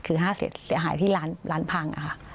คือค่าเสียหายที่ร้านพังค่ะ